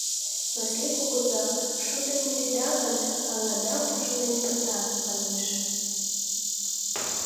Васлий кугыза, шудым ӱдеда гын, аҥада пужлен пыта, манеш.